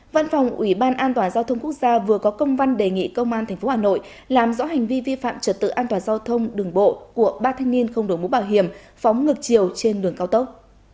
văn phòng ủy ban an toàn giao thông quốc gia vừa có công văn đề nghị công an tp hà nội làm rõ hành vi vi phạm trật tự an toàn giao thông đường bộ của ba thanh niên không đổi mũ bảo hiểm phóng ngược chiều trên đường cao tốc